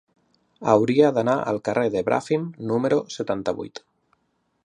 Hauria d'anar al carrer de Bràfim número setanta-vuit.